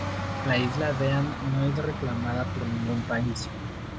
La isla Dean no es reclamada por ningún país.